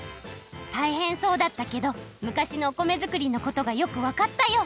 たいへんそうだったけど昔のお米づくりのことがよくわかったよ。